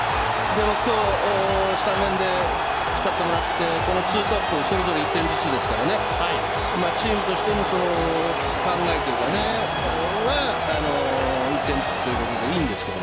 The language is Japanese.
スタメンで使ってもらって２トップ、それぞれ１点ずつチームとしての考えというか１点ずつということでいいんですけれど。